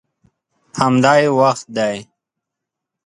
همدا یې وخت دی.